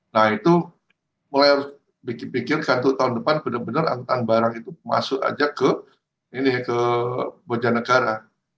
nah itu mulai harus pikir pikirkan untuk tahun depan benar benar angkutan barang itu masuk aja ke bojanegara